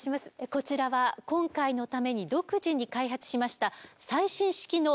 こちらは今回のために独自に開発しました最新式の転送マシンでございます。